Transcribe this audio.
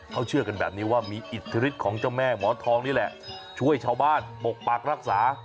เขาเชื่อกันแบบนี้ว่ามีอิทธิฤทธิของเจ้าแม่หมอทองนี่แหละช่วยชาวบ้านปกปักรักษา